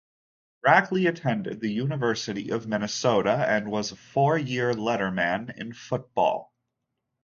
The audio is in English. Rackley attended the University of Minnesota and was a four-year letterman in football.